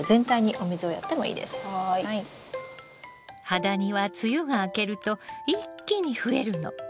ハダニは梅雨が明けると一気に増えるの。